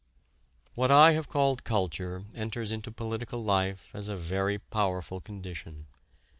What I have called culture enters into political life as a very powerful condition.